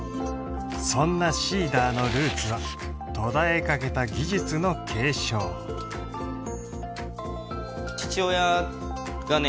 そんなＳｅｅｄｅｒのルーツは途絶えかけた技術の継承父親がね